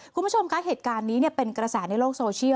คุณผู้ชมคะเหตุการณ์นี้เป็นกระแสในโลกโซเชียล